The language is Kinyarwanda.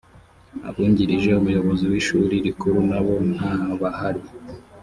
abungirije umuyobozi w ‘ishuri rikuru nabo ntabahari.